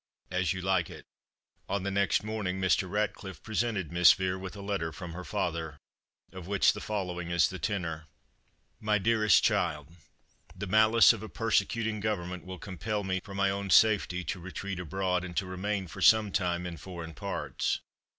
AS YOU LIKE IT. On the next morning, Mr. Ratcliffe presented Miss Vere with a letter from her father, of which the following is the tenor: "MY DEAREST CHILD, The malice of a persecuting government will compel me, for my own safety, to retreat abroad, and to remain for some time in foreign parts.